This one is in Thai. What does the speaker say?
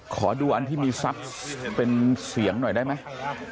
ขอดูอันที่มีทรัพย์เป็นเสียงหน่อยได้ไหม